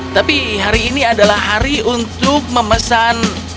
tapi hari ini adalah hari untuk memesan